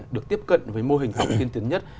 được tiếp cận với mô hình học tiên tiến nhất